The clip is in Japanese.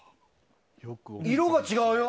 色が違うよ。